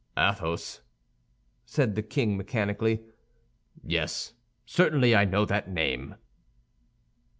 "Athos," said the king, mechanically; "yes, certainly I know that name."